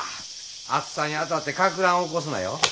暑さにあたってかくらんを起こすなよ。